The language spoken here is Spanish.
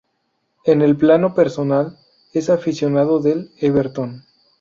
En el plano personal, es aficionado del Everton.